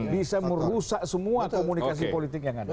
bisa merusak semua komunikasi politik yang ada